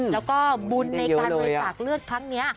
แล้วก็บุญในการบริจาคเลือดครั้งนี้